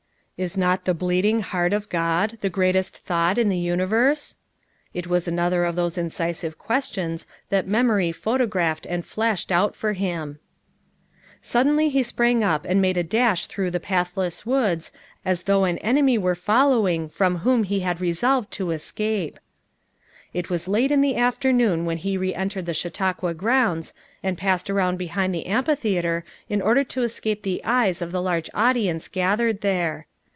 "Is not the bleeding heart of God the great est thought in the universe? " It was another of those incisive questions that memory photo graphed and flashed out for him. Suddenly he sprang up and made a dash through the pathless woods as though an enemy were following from whom he had resolved to escape. It was late in the afternoon when he re en tered the Chautauqua grounds and passed around behind the amphitheater in order to escape the eyes of the large audience gathered there.